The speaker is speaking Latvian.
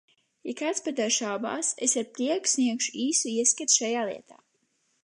Ja kāds par to šaubās, es ar prieku sniegšu īsu ieskatu šajā lietā.